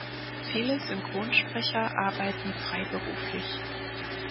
Viele Synchronsprecher arbeiten freiberuflich.